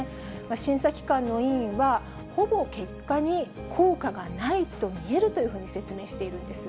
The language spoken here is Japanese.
審査機関の委員は、ほぼ結果に効果がないと見えるというふうに説明しているんです。